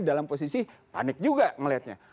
dalam posisi panik juga melihatnya